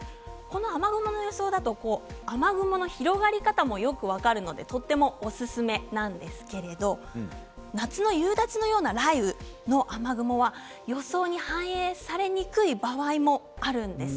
雨雲の予想だと雨雲の広がり方もよく分かるのでとてもおすすめなんですけれど夏の夕立のような雷雨の雨雲は予想に反映されにくい場合もあるんです。